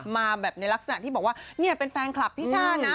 มาแบบในลักษณะที่บอกว่าเนี่ยเป็นแฟนคลับพี่ช่านะ